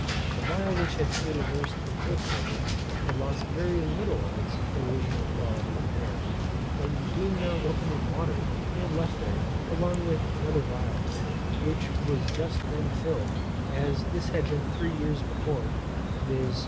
The phial which had stood immersed in quicksilver had lost very little of its original quantity of air; and being now opened in water, and left there, along with another phial, which was just then filled, as this had been three years before, viz.